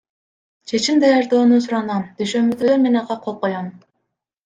Чечим даярдоону суранам, дүйшөмбүдө мен ага кол коем.